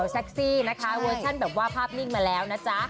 ซี่นะคะเวอร์ชั่นแบบว่าภาพนิ่งมาแล้วนะจ๊ะ